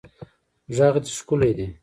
غږ دې ښکلی دی